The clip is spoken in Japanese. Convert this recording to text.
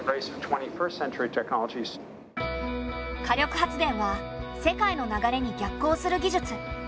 火力発電は世界の流れに逆行する技術。